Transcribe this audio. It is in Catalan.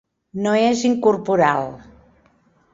No és incorporal.